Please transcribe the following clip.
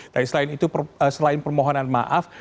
tapi selain itu selain permohonan maaf